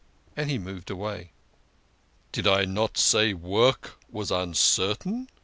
And he moved away. " Did I not say work was uncertain ?